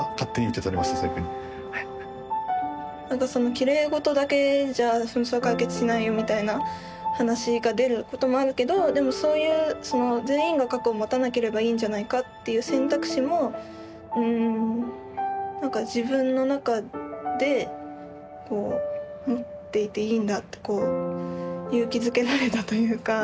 きれいごとだけじゃ紛争は解決しないよみたいな話が出ることもあるけどでもそういう全員が核を持たなければいいんじゃないかっていう選択肢もうん何か自分の中で持っていていいんだってこう勇気づけられたというか。